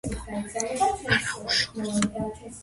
უმეტესად იკვებებიან უხერხემლოებით.